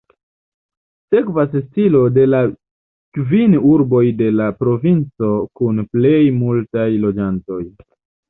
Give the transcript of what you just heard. Sekvas listo de la kvin urboj de la provinco kun plej multaj loĝantoj.